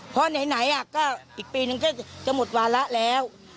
เพราะไหนก็อีกปีนึงก็จะหมดวาระแล้ว